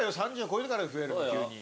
３０超えてから増える急に。